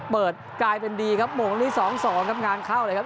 เปิดกลายเป็นดีครับโมงนี้๒๒ครับงานเข้าเลยครับ